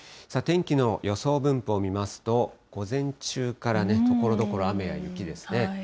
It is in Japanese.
天気の予想分布を見ますと、午前中からね、ところどころ雨や雪ですね。